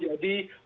bagi hubungan dunia